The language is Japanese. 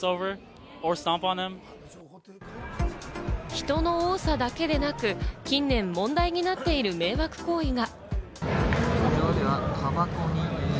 人の多さだけでなく、近年、問題になっている迷惑行為が。